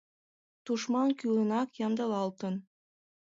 Тушман кӱлынак ямдылалтын.